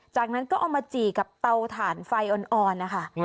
จากนั้นก็เอามาจี่กับเตาถ่านไฟอ่อนนะคะ